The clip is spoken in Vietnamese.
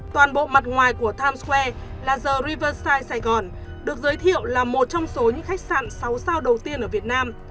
toàn bộ mặt ngoài của times square là the riverside saigon được giới thiệu là một trong số những khách sạn sáu sao đầu tiên ở việt nam